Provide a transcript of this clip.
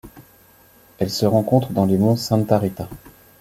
Elle se rencontre dans les monts Santa Rita.